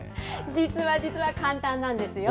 実は実は簡単なんですよ。